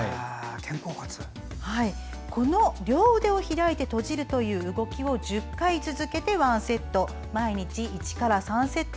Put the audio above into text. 両腕を開いて閉じる動きを１０回続けて１セット。